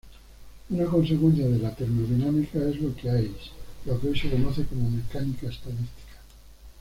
Una consecuencia de la termodinámica es lo que hoy se conoce como mecánica estadística.